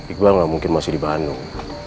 iqbal nggak mungkin masih di bandung